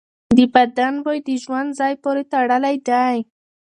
د بدن بوی د ژوند ځای پورې تړلی دی.